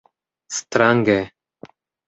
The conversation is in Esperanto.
Strange?